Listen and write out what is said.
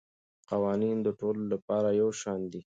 قوانین د ټولو لپاره یو شان دي.